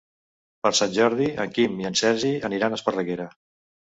Per Sant Jordi en Quim i en Sergi aniran a Esparreguera.